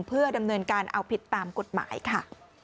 เพื่อดำเนินการเอาผิดตามกฎหมายค่ะ